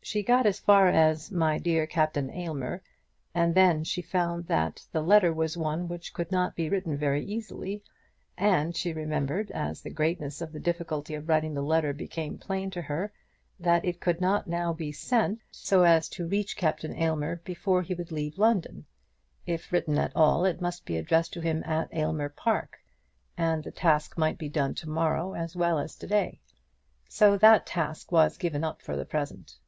She got as far as "My dear Captain Aylmer," and then she found that the letter was one which could not be written very easily. And she remembered, as the greatness of the difficulty of writing the letter became plain to her, that it could not now be sent so as to reach Captain Aylmer before he would leave London. If written at all, it must be addressed to him at Aylmer Park, and the task might be done to morrow as well as to day. So that task was given up for the present.